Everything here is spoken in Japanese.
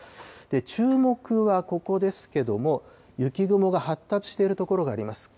注目はここですけども、雪雲が発達している所があります。